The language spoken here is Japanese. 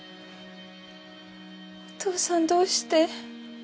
お父さんどうして？